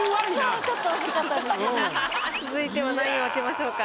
続いては何位を開けましょうか？